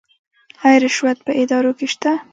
آیا رشوت په ادارو کې شته؟